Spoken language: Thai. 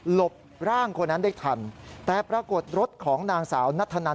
บร่างคนนั้นได้ทันแต่ปรากฏรถของนางสาวนัทธนัน